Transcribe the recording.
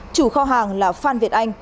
chủ kho hàng là phan việt anh